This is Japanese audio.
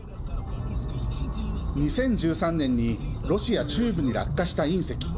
２０１３年にロシア中部に落下した隕石。